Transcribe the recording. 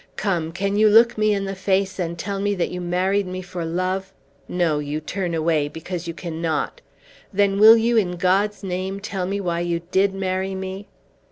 Come! Can you look me in the face and tell me that you married me for love? No, you turn away because you cannot! Then will you, in God's name, tell me why you did marry me?"